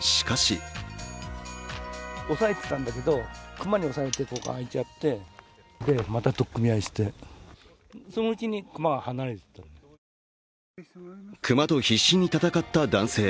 しかし熊と必死に戦った男性。